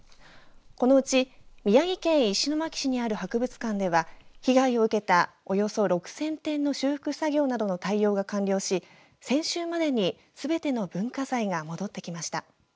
このうち、宮城県石巻市にある博物館では被害を受けたおよそ６０００点の修復作業などの対応が完了し先週までにすべての文化財が戻ってきました。